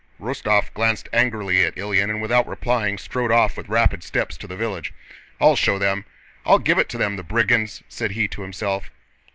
Rostóv glanced angrily at Ilyín and without replying strode off with rapid steps to the village. "I'll show them; I'll give it to them, the brigands!" said he to himself.